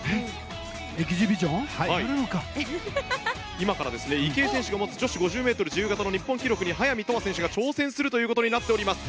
今から池江選手が持つ女子５０ｍ自由形の日本記録に速水永遠選手が挑戦するということになっております。